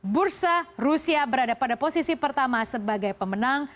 bursa rusia berada pada posisi pertama sebagai pemenang